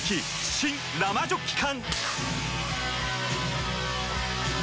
新・生ジョッキ缶！